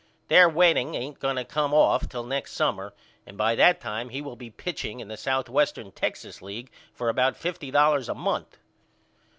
Their wedding ain't going to come off till next summer and by that time he will be pitching in the Southwestern Texas League for about fifty dollars a month.